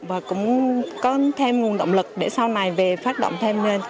và cũng có thêm nguồn động lực để sau này về phát động thêm lên